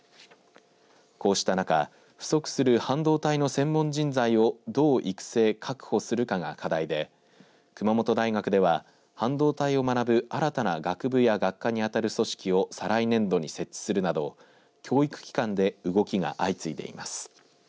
こうした中不足する半導体の専門人材をどう育成確保するかが課題で熊本大学では、半導体を学ぶ新たな学部や学科にあたる組織を再来年度に設置するなど教育機関で動きが相次いでいます。